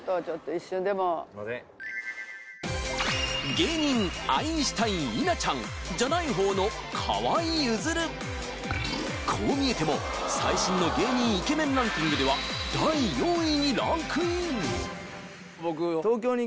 芸人アインシュタイン・稲ちゃんじゃないほうの河井ゆずるこう見えても最新の芸人イケメンランキングでは第４位にランクイン